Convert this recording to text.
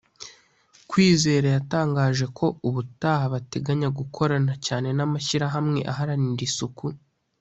Kwizera yatangaje ko ubutaha bateganya gukorana cyane n’amashyirahamwe aharanira isuku